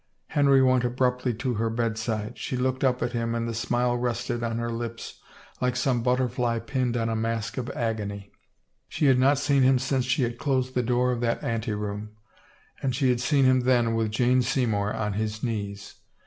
Henry went abruptly to her bedside; she looked up at him and the smile rested on her lips like some butterfly pinned on a mask of agony. She had not seen him since she had closed the door of that ante room, and she had seen him then with Jane Seymour on his knees.